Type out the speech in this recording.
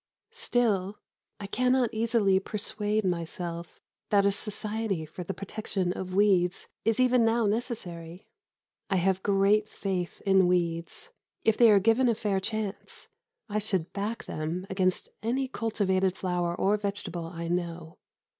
Still, I cannot easily persuade myself that a Society for the Protection of Weeds is even now necessary. I have great faith in weeds. If they are given a fair chance, I should back them against any cultivated flower or vegetable I know.